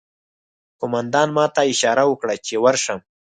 قومندان ماته اشاره وکړه چې ورشم